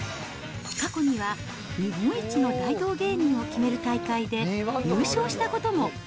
過去には日本一の大道芸人を決める大会で優勝したことも。